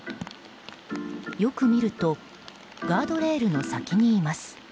よく見るとガードレールの先にいます。